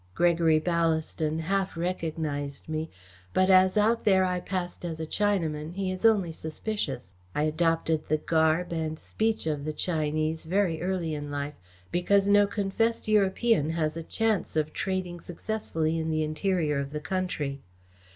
Gregory Ballaston half recognised me, but as out there I passed as a Chinaman, he is only suspicious. I adopted the garb and speech of the Chinese very early in life, because no confessed European has a chance of trading successfully in the interior of the country.